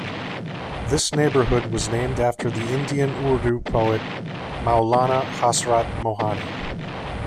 This neighbourhood was named after the Indian Urdu poet Maulana Hasrat Mohani.